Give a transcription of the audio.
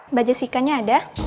mbak jessica nya ada